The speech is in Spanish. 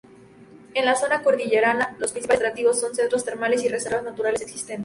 En la zona cordillerana, los principales atractivos son centros termales y reservas naturales existentes.